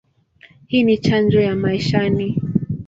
Hii ni chanjo ya maishani.